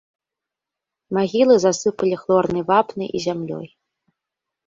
Магілы засыпалі хлорнай вапнай і зямлёй.